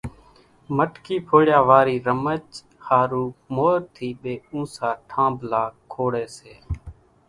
مٽڪي ڦوڙيا واري رمچ ۿارُو مور ٿي ٻي اُونسا ٿانڀلا کوڙي سي،